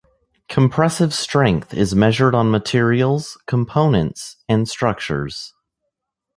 Compressive strength is measured on materials, components, and structures.